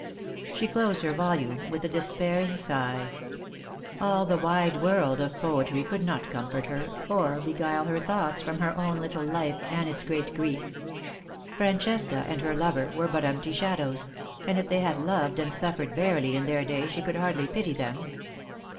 She closed her volume with a despairing sigh. All the wide world of poetry could not comfort her, or beguile her thoughts from her own little life and its great grief. Francesca and her lover were but empty shadows; and if they had loved and suffered verily in their day she could hardly pity them.